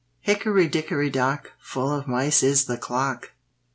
Hickory, dickory, dock, Full of mice is the clock!